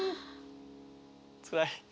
つらい。